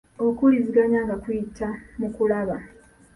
Okuwuliziganya nga tuyita mu kulaba.